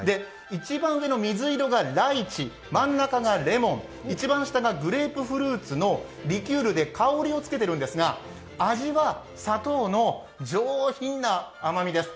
１番上の水色がライチ真ん中がレモン、一番下がグレープフルーツのリキュールで香りをつけてるんですが、味は砂糖の上品な甘みです。